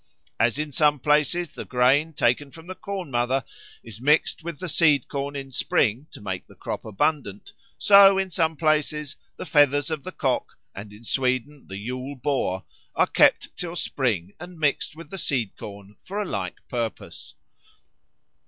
As in some places the grain taken from the Corn mother is mixed with the seed corn in spring to make the crop abundant, so in some places the feathers of the cock, and in Sweden the Yule Boar, are kept till spring and mixed with the seed corn for a like purpose.